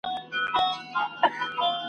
نن به د خوشحال د قبر ړنګه جنډۍ څه وايي !.